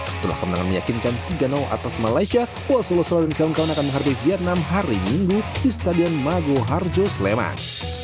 setelah kemenangan meyakinkan tiga atas malaysia wsw dan kk akan menghargai vietnam hari minggu di stadion mago harjo sleman